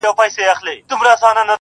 د تصوف تر سرلیک لاندې څیړل په کار دي